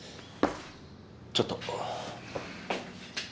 ちょっと。